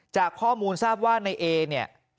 จากข้อมูลทราบว่าในเอเนี่ย